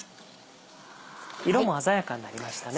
色も鮮やかになりましたね。